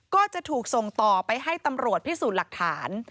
ก็จะถูกส่งต่อไปให้ตำรวจพิสูจน์หลักฐาน